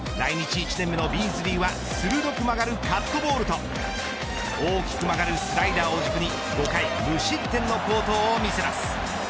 １年目のビーズリーは鋭く曲がるカットボールと大きく曲がるスライダーを軸に５回無失点の好投を見せます。